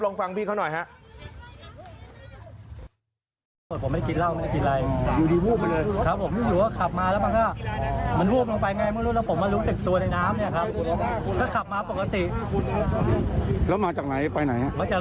ฟังพี่เขาหน่อยฮะ